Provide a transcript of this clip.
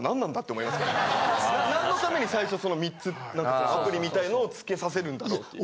何の為に最初その３つアプリみたいのをつけさせるんだろうっていう。